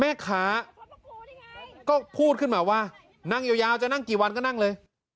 แม่ค้าก็พูดขึ้นมาว่านั่งยาวจะนั่งกี่วันก็นั่งเลย